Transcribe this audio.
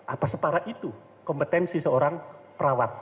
apa separah itu kompetensi seorang perawat